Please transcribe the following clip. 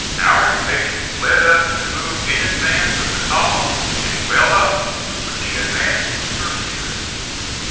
Our impatience led us to move in advance of the column and well up with the advanced skirmishers.